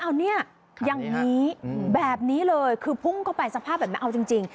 เอาเนี่ยอย่างนี้แบบนี้เลยคือพุ่งเข้าไปสภาพแบบไม่เอาจริง